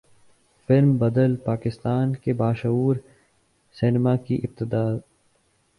film بدل پاکستان کے باشعور سینما کی ابتدا